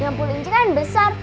jampul inci kan besar